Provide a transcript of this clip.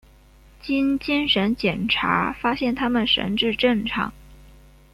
经精神检查发现他们神智正常。